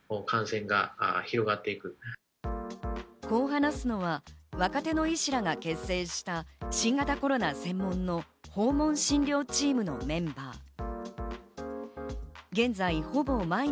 こう話すのは若手の医師らが結成した新型コロナ専門の訪問診療チームのメンバー。